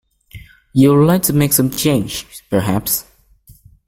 You will like to make some change, perhaps?